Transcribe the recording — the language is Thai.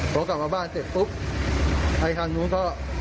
พอกลับมาบ้านเสร็จปุ๊บไอ้ทางนู้นก็